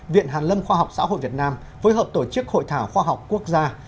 viện hàn lâm khoa học xã hội việt nam phối hợp tổ chức hội thảo khoa học quốc gia